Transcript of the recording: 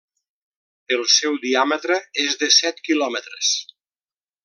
El seu diàmetre és de set quilòmetres.